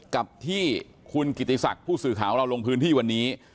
กับที่คุณกิติศักดิ์ผู้สื่อข่าวเราลงพื้นที่วันนี้